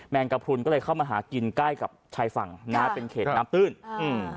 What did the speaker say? งกระพรุนก็เลยเข้ามาหากินใกล้กับชายฝั่งนะฮะเป็นเขตน้ำตื้นอืม